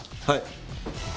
はい。